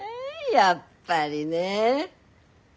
やっぱりね。